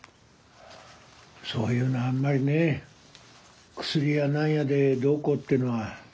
そういうのはあんまりね薬や何やでどうこうっていうのは。